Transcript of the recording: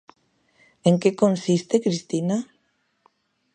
En que consiste, Cristina?